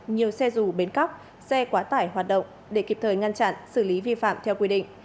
nhiều xe dù bến cóc xe quá tải hoạt động để kịp thời ngăn chặn xử lý vi phạm theo quy định